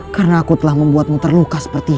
karena aku telah membuatmu terluka seperti ini